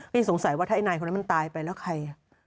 สงสัยว่าถ้าไอ้นายคนนั้นมันตายไปแล้วใคร